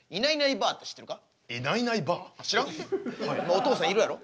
お父さんいるやろ？